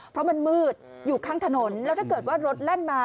เพราะมันมืดอยู่ข้างถนนแล้วถ้าเกิดว่ารถแล่นมา